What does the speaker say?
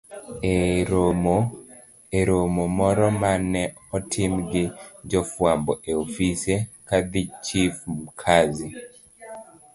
E romo moro ma ne otim gi jofwambo e ofise, Kadhi Chief Mkazi,